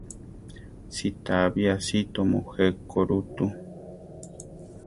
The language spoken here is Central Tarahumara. Sitá bi aʼsíto mujé ko ru tú.